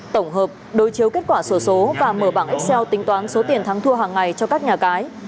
tổng hợp đối chiếu kết quả sổ số và mở bảng xe tính toán số tiền thắng thua hàng ngày cho các nhà cái